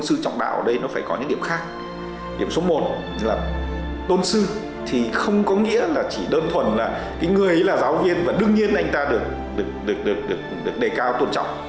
số một là tôn sư thì không có nghĩa là chỉ đơn thuần là người ấy là giáo viên và đương nhiên là anh ta được đề cao tôn trọng